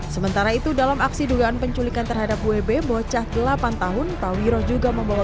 sementara itu dalam aksi dugaan penculikan terhadap wb bocah delapan tahun tawiro juga membawa